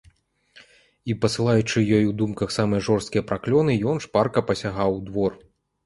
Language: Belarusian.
І, пасылаючы ёй у думках самыя жорсткія праклёны, ён шпарка пасягаў у двор.